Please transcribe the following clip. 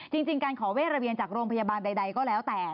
จริงการขอเวทระเวียนจากโรงพยาบาลใดก็แล้วแต่